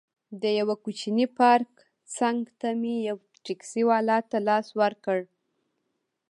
د یوه کوچني پارک څنګ ته مې یو ټکسي والا ته لاس ورکړ.